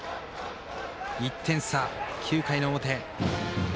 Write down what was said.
１点差、９回の表。